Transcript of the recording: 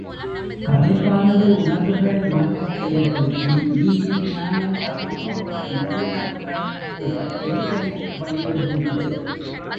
களைப்பானது உணர்வுகளில் மாற்றங்களை ஏற்படுத்தி நீதி நியாயம் தர்மம் போன்ற நல்லுணர்வுகளில் கூட எரிச்சலை உண்டுபண்ணி விடுகின்றது.